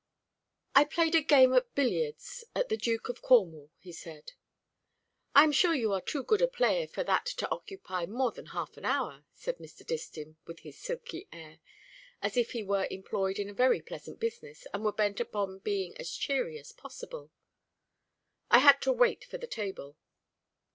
"I played a game at billiards at the Duke of Cornwall," he said. "I am sure you are too good a player for that to occupy more than half an hour," said Mr. Distin, with his silky air, as if he were employed in a very pleasant business, and were bent upon being as cheery as possible. "I had to wait for the table."